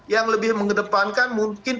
yang lebih mengedepankan mungkin